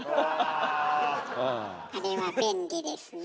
あれは便利ですねえ。